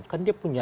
kan dia punya